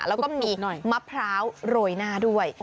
แล้วก็มีมะพร้าวโรยหน้าด้วย